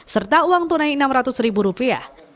serta uang tunai enam ratus ribu rupiah